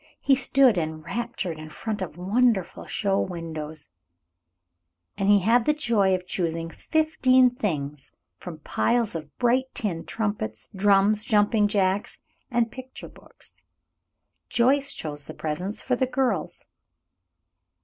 He stood enraptured in front of wonderful show windows, and he had the joy of choosing fifteen things from piles of bright tin trumpets, drums, jumping jacks, and picture books. Joyce chose the presents for the girls.